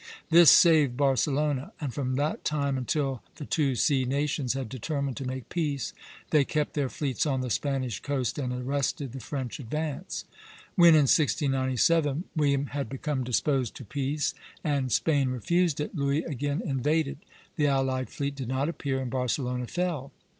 This saved Barcelona; and from that time until the two sea nations had determined to make peace, they kept their fleets on the Spanish coast and arrested the French advance. When, in 1697, William had become disposed to peace and Spain refused it, Louis again invaded, the allied fleet did not appear, and Barcelona fell.